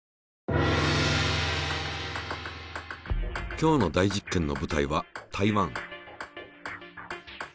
今日の大実験の舞台は台湾。